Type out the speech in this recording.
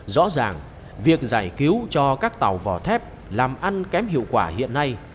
rõ ràng việc giải cứu cho các tàu vỏ thép làm ăn kém hiệu quả hiện nay